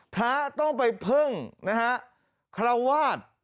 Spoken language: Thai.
พระต้องไปพึ่งนะฮะคาราวาส